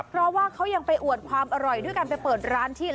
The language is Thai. เพราะว่าเขายังไปอวดความอร่อยด้วยการไปเปิดร้านที่